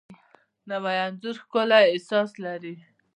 نوی انځور ښکلی احساس لري